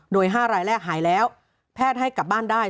โดย๕รายแรกหายแล้วแพทย์ให้กลับบ้านได้